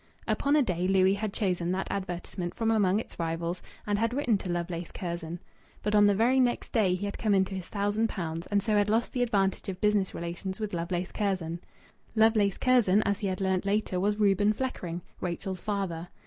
Upon a day Louis had chosen that advertisement from among its rivals, and had written to Lovelace Curzon. But on the very next day he had come into his thousand pounds, and so had lost the advantage of business relations with Lovelace Curzon. Lovelace Curzon, as he had learnt later, was Reuben Fleckring, Rachel's father.